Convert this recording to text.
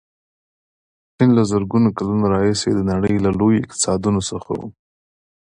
چین له زرګونو کلونو راهیسې د نړۍ له لویو اقتصادونو څخه و.